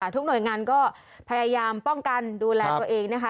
ทุกหน่วยงานก็พยายามป้องกันดูแลตัวเองนะคะ